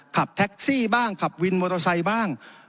ขับแท็กซี่บ้างขับวินโมโตไซส์บ้าง